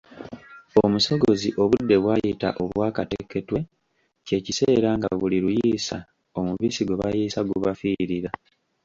Omusogozi obudde bw'ayita obwakateketwe kye kiseera nga buli luyiisa, omubisi gwe bayiisa gubafiirira.